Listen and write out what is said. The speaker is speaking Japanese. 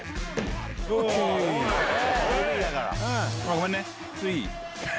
ごめんねいい？